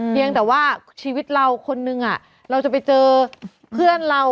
เพียงแต่ว่าชีวิตเราคนนึงเราจะไปเจอเพื่อนเรา